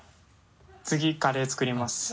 次カレー作ります。